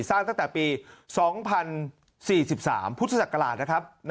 ตั้งแต่ปี๒๐๔๓พุทธศักราชนะครับ